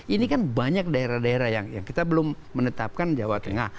ini kan banyak daerah daerah yang kita belum menetapkan jawa tengah